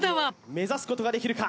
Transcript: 目指すことができるか？